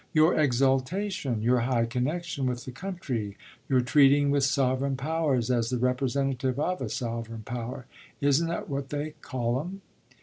"Your exaltation, your high connexion with the country, your treating with sovereign powers as the representative of a sovereign power. Isn't that what they call 'em?"